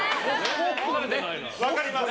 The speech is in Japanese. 分かります。